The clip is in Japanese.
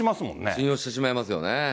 信用してしまいますよね。